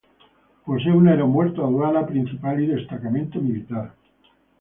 Posee un aeropuerto, aduana principal y destacamento militar.